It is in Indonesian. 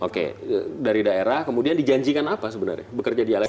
oke dari daerah kemudian dijanjikan apa sebenarnya bekerja dialektif